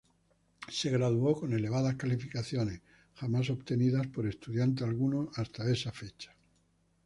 Se graduó con elevadas calificaciones, jamás obtenidas por estudiante alguno hasta esa fecha.